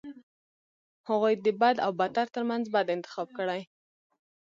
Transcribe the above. هغوی د بد او بدتر ترمنځ بد انتخاب کړي.